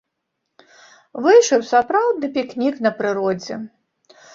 Выйшаў сапраўдны пікнік на прыродзе.